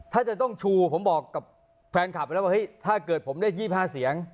ถ้าจะต้องชูผมบอกกับแฟนคลับไปแล้วว่าเฮ้ยถ้าเกิดผมได้๒๕เสียง